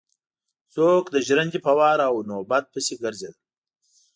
څوک د ژرندې په وار او نوبت پسې ګرځېدل.